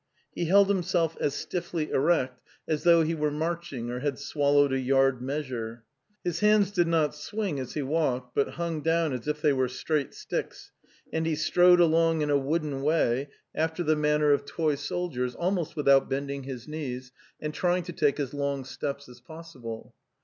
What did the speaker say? He held himself as stiffly erect as though he were marching or had swallowed a yard measure. His hands did not swing as he walked, but hung down as if they were straight sticks, and he strode along in a wooden way, after the manner of toy 218 The Tales of Chekhov soldiers, almost without bending his knees, and try ing to take as long steps as possible.